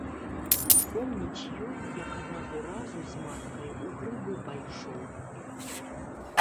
Помніць ён, як аднаго разу з маткай у грыбы пайшоў.